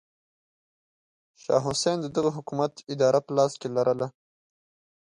شاه حسین د دغه حکومت اداره په لاس کې لرله.